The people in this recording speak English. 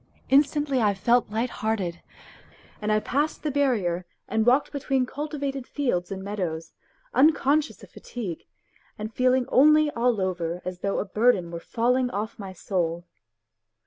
Instantly I felt lighthearted, and I passed the barrier and walked between cultivated fields and meadows, unconscious of fatigue, and feeling only all over as though a burden were falling off my soul.